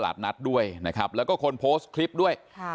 นัดด้วยนะครับแล้วก็คนโพสต์คลิปด้วยค่ะ